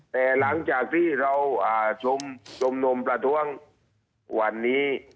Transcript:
แต่หลังจากที่เราชมนุมประท้วงวันนี้